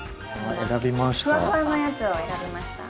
選びました。